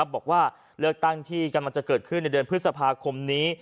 บอกว่าเลือกตั้งที่กำลังจะเกิดขึ้นในเดือนพฤษภาคมนี้